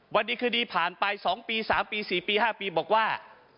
วันนี้คดีผ่านไป๒ปี๓ปี๔ปี๕ปีบอกว่า